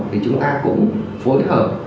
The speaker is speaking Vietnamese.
thì chúng ta cũng phối hợp